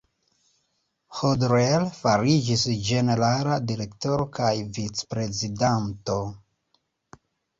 Hodler fariĝis Ĝenerala Direktoro kaj Vicprezidanto.